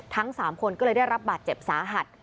ทั้ง๓คนก็เลยได้รับบาดเจ็บสาหัส